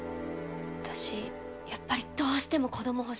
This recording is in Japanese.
私やっぱりどうしても子ども欲しい。